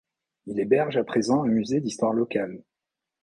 Il héberge à présent un musée d'histoire locale.